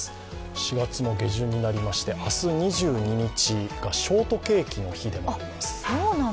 ４月も下旬になりまして、明日２２日がショートケーキの日でもあります。